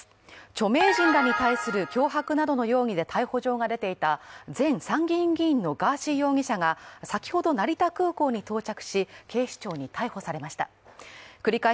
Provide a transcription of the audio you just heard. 著名人らに対する脅迫などの容疑で逮捕状が出ていた前参議院議員のガーシー容疑者が先ほど成田空港に到着し、警視庁に逮捕されました。